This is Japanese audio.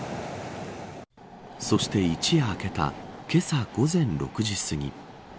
そして一夜明けたけさ午前６時すぎ。